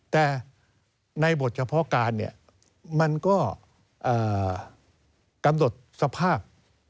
แต่ในบทเฉพาะการมันก็กำหนดสภาพ